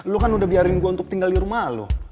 lo kan udah biarin gue tinggal di rumah lo